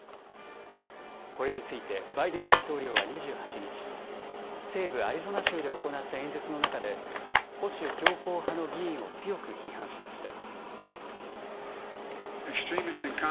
これについてバイデン大統領は２８日、西部アリゾナ州で行った演説の中で保守強硬派の議員を強く批判しました。